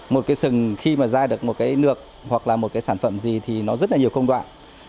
một cái sừng khi mà ra được một cái nược hoặc là một cái sản phẩm gì thì nó rất là nhiều công đoạn